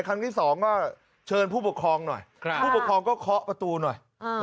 ครั้งที่สองก็เชิญผู้ปกครองหน่อยผู้ปกครองก็เคาะประตูหน่อย